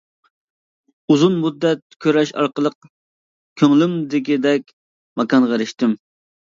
ئۇزۇن مۇددەت كۈرەش ئارقىلىق كۆڭلۈمدىكىدەك ماكانغا ئېرىشتىم.